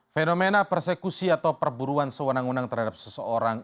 fenomena persekusi atau perburuan sewenang wenang terhadap seseorang